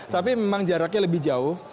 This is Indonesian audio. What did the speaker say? tapi memang jaraknya lebih jauh